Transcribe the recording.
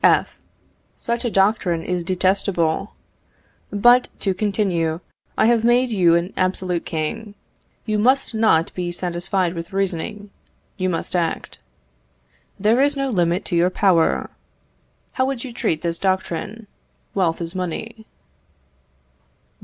F. Such a doctrine is detestable. But, to continue, I have made you an absolute king. You must not be satisfied with reasoning, you must act. There is no limit to your power. How would you treat this doctrine, wealth is money?